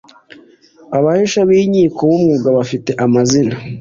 abahesha b’inkiko b ‘umwuga bafite amazina.